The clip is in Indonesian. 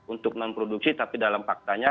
untuk non produksi tapi dalam faktanya